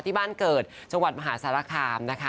ที่บ้านเกิดจังหวัดมหาสารคามนะคะ